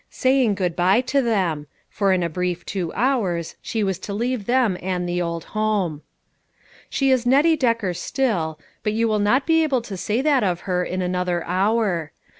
Saying good by to them, for in a brief two hours she was to leave them, and the old home. She is Nettie Decker still, but you will not be able to say that of her in another hour.